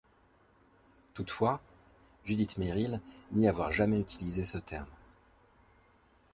Toutefois, Judith Merril nie avoir jamais utilisé ce terme.